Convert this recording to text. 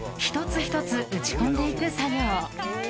１つ１つ打ち込んでいく作業。